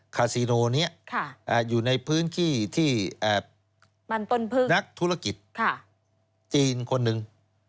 คาซิโนนี้อยู่ในพื้นที่ที่นักธุรกิจจีนคนหนึ่ง